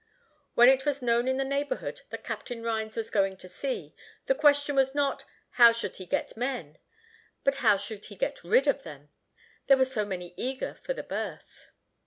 When it was known in the neighborhood that Captain Rhines was going to sea, the question was not, how he should get men, but how he should get rid of them, there were so many eager for the berth.